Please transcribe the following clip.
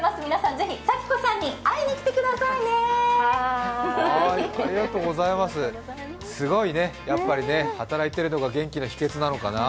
ぜひ佐喜子さんに会いに来てくださいねすごいね、やっぱりね、働いているのが元気の秘けつなのかな。